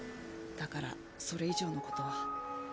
だからそれ以上のことは。